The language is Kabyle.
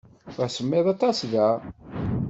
D asemmiḍ aṭas da.